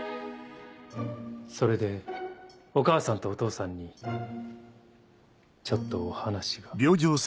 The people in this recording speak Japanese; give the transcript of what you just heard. それでお母さんとお父さんにちょっとお話が。